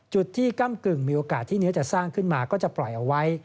จุดที่ก้ำกึ่งมีโอกาสที่เนื้อจะสร้างขึ้นมาก็จะปล่อยเอาไว้